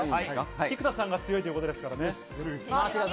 菊田さんが強いということですからね。